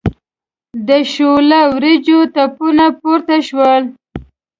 د شوله وریجو تپونه پورته شول.